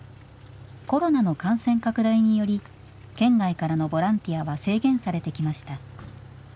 コロナの感染拡大により県外からのボランティアは制限されてきました。